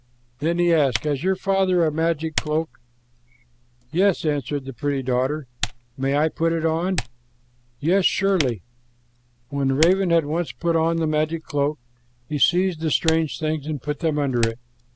Then he asked, "Has your father a magic cloak?" "Yes," answered the pretty daughter. "May I put it on?" "Yes, surely." When the raven had once put on the magic cloak, he seized the strange things and put them under it.